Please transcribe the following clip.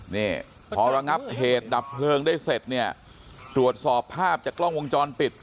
นี่พอระงับเหตุดับเพลิงได้เสร็จเนี่ยตรวจสอบภาพจากกล้องวงจรปิด